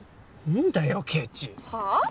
何だよケチはあ？